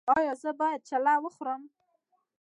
ایا زه باید چلو وخورم؟